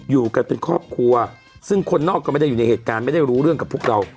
อยู่กันเป็นครอบครัวซึ่งคนนอกก็ไม่ได้อยู่ในเหตุการณ์ไม่ได้รู้เรื่องกับพวกเรา